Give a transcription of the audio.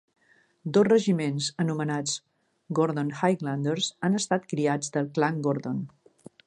Dos regiments anomenats "Gordon Highlanders" han estat criats del Clan Gordon.